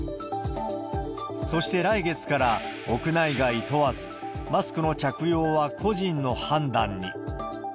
そして、来月から屋内外問わず、マスクの着用は個人の判断に。